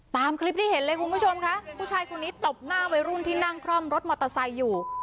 ตามคลิปที่เห็นเลยคุณผู้ชมค่ะผู้ชายคนนี้ตบหน้าวัยรุ่นที่นั่งคล่อมรถมอเตอร์ไซค์อยู่